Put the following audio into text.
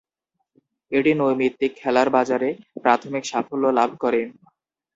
এটি নৈমিত্তিক খেলার বাজারে প্রাথমিক সাফল্য লাভ করে।